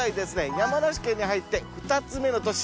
山梨県に入って２つ目の都市